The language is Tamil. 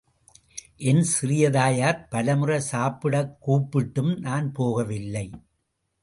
என் சிறிய தாயார் பல முறை சாப்பிடக்கூப்பிட்டும் நான் போகவில்லை.